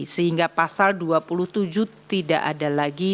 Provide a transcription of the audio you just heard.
sehingga pasal dua puluh tujuh tidak ada lagi